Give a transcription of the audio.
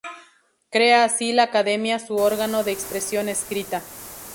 Crea así la Academia su órgano de expresión escrita.